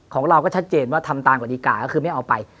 ของเราก็ชัดเจนว่าทำตามกฎิกาก็คือไม่เอาไป